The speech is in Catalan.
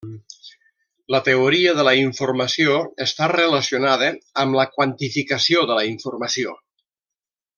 La teoria de la informació està relacionada amb la quantificació de la informació.